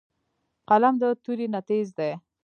قلم د تورې نه تېز دی